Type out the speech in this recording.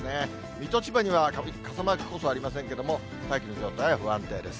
水戸、千葉には傘マークこそありませんけれども、大気の状態は不安定です。